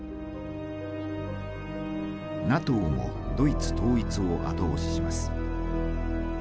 ＮＡＴＯもドイツ統一を後押しします。